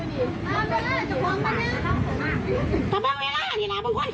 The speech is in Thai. มีหลายคนเขาใช้เครื่องสุข